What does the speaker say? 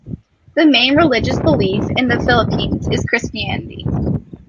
The main religious belief in the Philippines is Christianity.